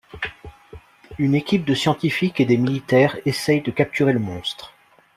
Une équipe de scientifiques et des militaires essaye de capturer le monstre.